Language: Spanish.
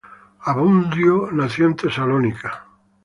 Abundio nació en Tesalónica.